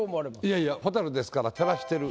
いやいや蛍ですから照らしてる。